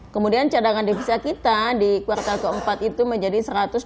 kemudian cadangan defisit kita di kuartal keempat itu menjadi